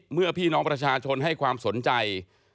เมื่อพี่น้องประชาชนให้ความสนใจ